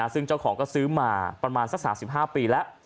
ซึ่งเจ้าของก็ซื้อมาประมาณสัก๓๕ปีแล้ว